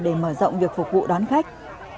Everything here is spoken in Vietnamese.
để mở rộng việc phục vụ đón khách